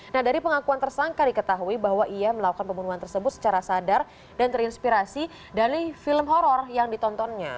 nah dari pengakuan tersangka diketahui bahwa ia melakukan pembunuhan tersebut secara sadar dan terinspirasi dari film horror yang ditontonnya